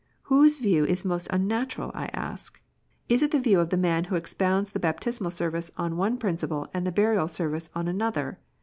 Whose view is most unnatural, I ask ? Is it the view of the man who expounds the Baptismal Service on one principle, and the Burial Service on another